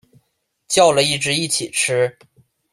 叫了一只一起吃